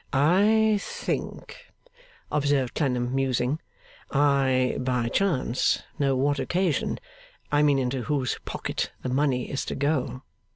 'I think,' observed Clennam musing, 'I by chance know what occasion I mean into whose pocket the money is to go.